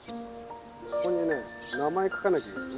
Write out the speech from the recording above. ここにね名前書かなきゃいけない。